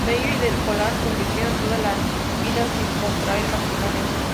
Castelló y del Moral convivieron toda la vida sin contraer matrimonio.